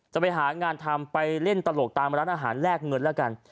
จะไปหางานทำไปเล่นตลกตามร้านอาหารแลกเงินแล้วกัน